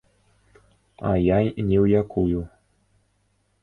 А я ні ў якую.